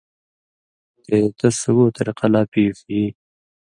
تے تس سُگو طریۡقہ لا پیݜی